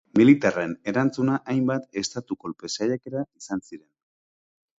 Militarren erantzuna hainbat estatu-kolpe saiakera izan ziren.